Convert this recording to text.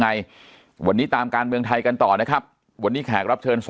ไงวันนี้ตามการเมืองไทยกันต่อนะครับวันนี้แขกรับเชิญ